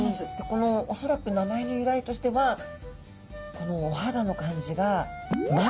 この恐らく名前の由来としてはこのお肌の感じが松の皮。